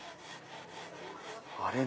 あれ？